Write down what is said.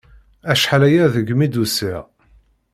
Acḥal-aya degmi d-usiɣ.